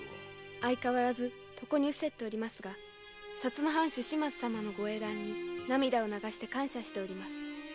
相変わらず床に伏せておりますが薩摩藩主・島津様のご英断に涙を流して感謝しております。